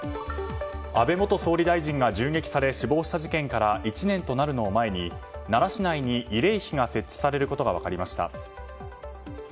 安倍元総理大臣が銃撃され死亡した事件から１年となるのを前に奈良市内に慰霊碑が設置されることが分かりました。